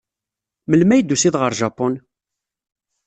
Melmi ay d-tusiḍ ɣer Japun?